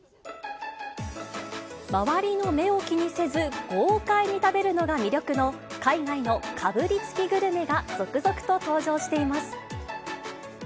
周りの目を気にせず、豪快に食べるのが魅力の海外のかぶりつきグルメが、続々と登場しています。